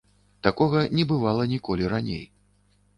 Такога не бывала ніколі раней.